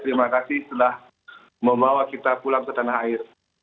terima kasih telah membawa kita pulang ke tanah air itu aja mas